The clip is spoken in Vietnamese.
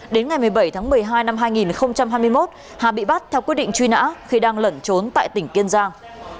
đến ngày một mươi bảy tháng một mươi hai năm hai nghìn hai mươi một hà bị bắt theo quyết định truy nã khi đang lẩn trốn tại tỉnh kiên giang